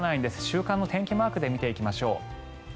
週間の天気マークで見ていきましょう。